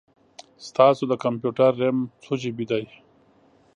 ستاسو د کمپیوټر رم څو جې بې دی؟